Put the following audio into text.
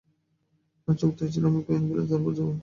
না, চুক্তি হয়েছিল, আমি কয়েন পেলে তারপর যাব।